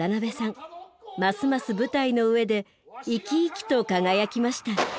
ますます舞台の上で生き生きと輝きました。